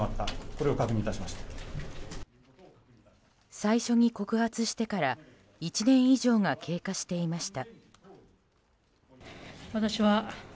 最初に告発してから１年以上が経過していました。